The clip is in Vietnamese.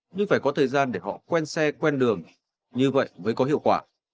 nhưng phải có thời gian để họ quen xe quen đường như vậy mới có hiệu quả